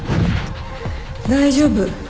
大丈夫